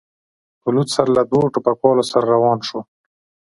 په لوڅ سر له دوو ټوپکوالو سره روان شو.